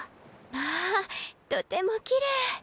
まあとてもきれい。